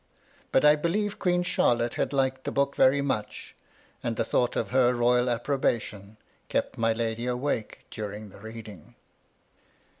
But I believe Queen Charlotte had liked the book very much, and the thought of her royal approbation kept my lady awake during the reading.